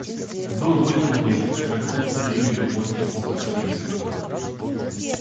Был вой трубы – как будто лили любовь и похоть медью труб.